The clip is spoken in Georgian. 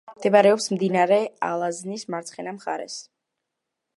მდებარეობს მდინარე ალაზნის მარცხენა მხარეს.